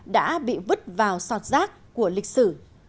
đã bị vứt vào sọt rác của lịch sử